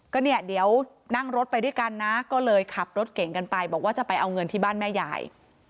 ก็เนี่ยเดี๋ยวนั่งรถไปด้วยกันนะก็เลยขับรถเก่งกันไปบอกว่าจะไปเอาเงินที่บ้านแม่ยาย